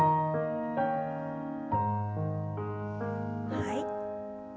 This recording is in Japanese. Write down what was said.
はい。